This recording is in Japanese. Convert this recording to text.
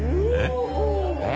えっ？